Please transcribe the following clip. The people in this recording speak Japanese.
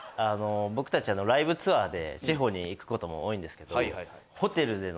僕たちライブツアーで地方に行くことも多いんですが。